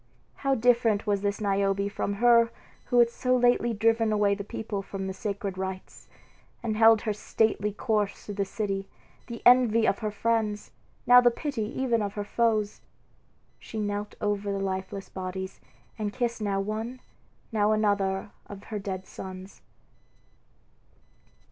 how different was this Niobe from her who had so lately driven away the people from the sacred rites, and held her stately course through the city, the envy of her friends, now the pity even of her foes! She knelt over the lifeless bodies, and kissed now one, now another of her dead sons.